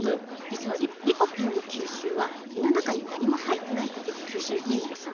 実はリコピンの吸収は胃の中に何も入ってない時が吸収いいんです。